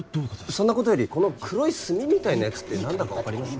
そんなことよりこの黒い炭みたいなやつって何だか分かりますか？